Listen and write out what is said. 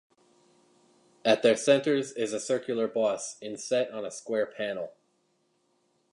At their centers is a circular boss inset on a square panel.